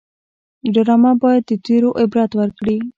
ډرامه باید د تېرو عبرت ورکړي